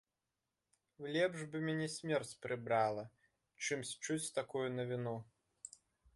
Лепш бы мяне смерць прыбрала, чымсь чуць такую навіну.